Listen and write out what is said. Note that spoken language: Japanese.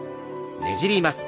ねじります。